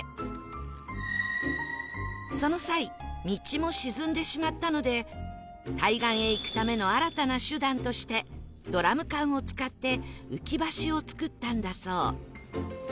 その際道も沈んでしまったので対岸へ行くための新たな手段としてドラム缶を使って浮き橋を作ったんだそう